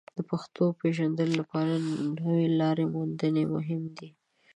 د پښتو د پیژندنې لپاره نوې لارې موندل مهم دي.